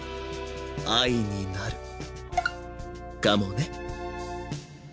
愛になるかもね？